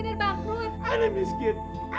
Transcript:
kita minta jembatan aja